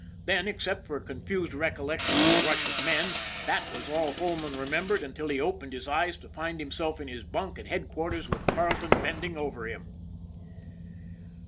Then, except for a confused recollection of a rush of men, that was all Holman remem bered until he opened his eyes to find himself in his bunk at headquarters with Carleton bending over him.